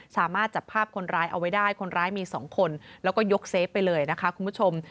สามารถจับภาพคนร้ายเอาไว้ได้คนร้ายมี๒คนแล้วก็ยกเซฟไปเลยนะคะคุณผู้ชม